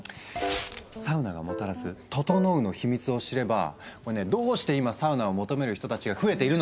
サウナがもたらす「ととのう」の秘密を知ればどうして今サウナを求める人たちが増えているのか？